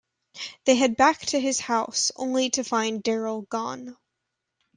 They head back to his house, only to find Daryl gone.